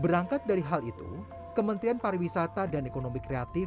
berangkat dari hal itu kementerian pariwisata dan ekonomi kreatif